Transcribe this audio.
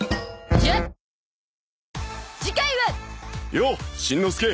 ようしんのすけ！